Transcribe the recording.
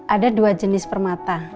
ada dua jenis permata